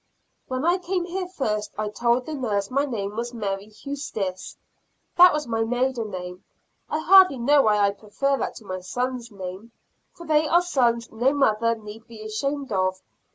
When I came here first, I told the nurse my name was Mary Huestis; that was my maiden name; I hardly know why I prefer that to my sons' name, for they are sons no mother need be ashamed of.